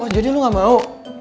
oh jadi lo gak mau